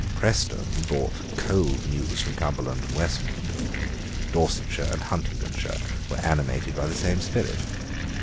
Preston brought cold news from Cumberland and Westmoreland. Dorsetshire and Huntingdonshire were animated by the same spirit.